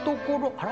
あら？